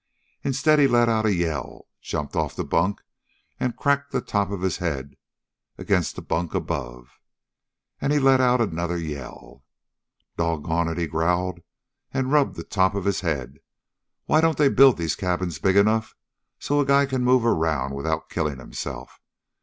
Instead he let out a yell, jumped off the bunk and cracked the top of his head against the bunk above. And he let out another yell. "Doggone it!" he growled, and rubbed the top of his head. "Why don't they build these cabins big enough so a guy can move around without killing himself?